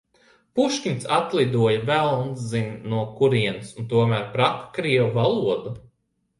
Puškins atlidoja velns zina no kurienes un tomēr prata krievu valodu.